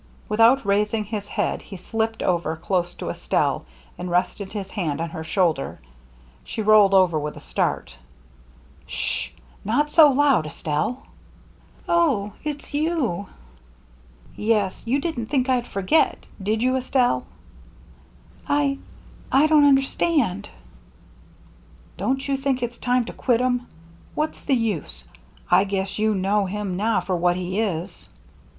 Without raising his head he slipped over close to Es telle and rested his hand on her shoulder. She rolled over with a start. " S sh 1 Not so loud, Estelle." " Oh, it's you ?" "Yes. You didn't think I'd forgot, did you, Estelle?" "I — I don't understand." " Don't you think it's time to quit 'em ? What's the use ? I guess you know him now for what he is."